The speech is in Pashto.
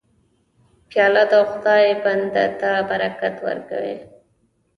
پیاله د خدای بنده ته برکت ورکوي.